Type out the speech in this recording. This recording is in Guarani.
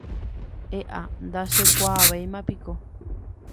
E'a, ndachekuaavéimapiko.